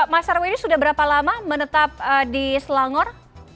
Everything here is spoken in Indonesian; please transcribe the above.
mas sarwini sudah berapa lama menetap di selangor